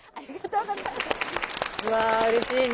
うわうれしいね。